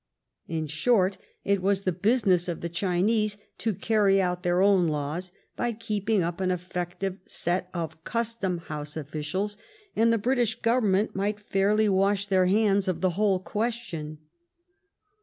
In short, it was the business of the Chinese to carry out their own laws by keeping up an effective set of custom house officials, and the Bri tish Government might fairly wash their hands of the whole question.